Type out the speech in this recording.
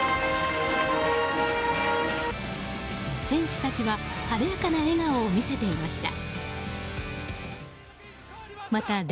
選手たちは晴れやかな笑顔を見せていました。